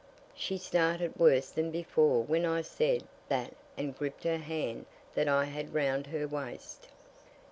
She started worse than before when I said that and gripped the hand that I had round her waist.